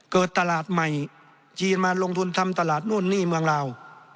เกิดตลาดใหม่จีนมาลงทุนทำตลาดนู่นนี่เมืองลาว